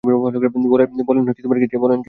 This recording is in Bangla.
বলেন, কী চাই?